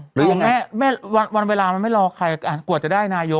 หรือยังไงวันเวลามันไม่รอใครกว่าจะได้นายก